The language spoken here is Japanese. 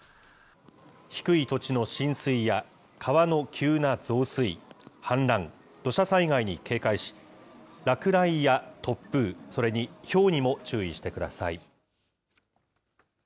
低い土地の浸水や川の急な増水、氾濫、土砂災害に警戒し、落雷や突風、それにひょうにも注意してください。